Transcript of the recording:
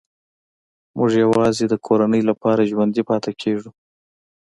موږ یوازې د کورنۍ لپاره ژوندي پاتې کېږو